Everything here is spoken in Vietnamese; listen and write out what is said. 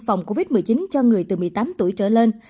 phòng covid một mươi chín cho người từ một mươi tám tuổi trở lên